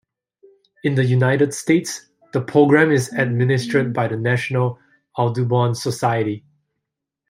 In the United States the Program is administered by the National Audubon Society.